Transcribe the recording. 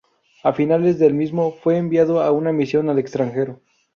A finales del mismo, fue enviado en una misión al extranjero.